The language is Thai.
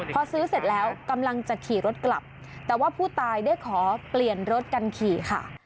พอซื้อเสร็จแล้วกำลังจะขี่รถกลับแต่ว่าผู้ตายได้ขอเปลี่ยนรถกันขี่ค่ะ